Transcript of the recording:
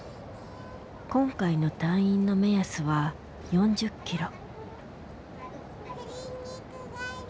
今回の退院の目安は４０キロ。